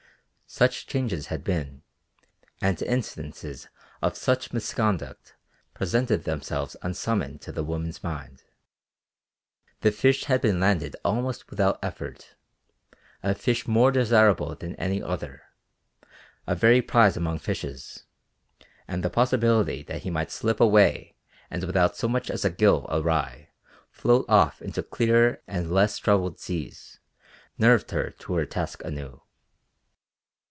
Such changes had been, and instances of such misconduct presented themselves unsummoned to the woman's mind. The fish had been landed almost without effort, a fish more desirable than any other, a very prize among fishes, and the possibility that he might slip away and without so much as a gill awry float off into clearer and less troubled seas, nerved her to her task anew.